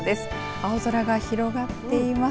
青空が広がっています。